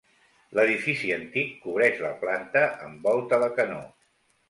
L'edifici antic cobreix la planta amb volta de canó.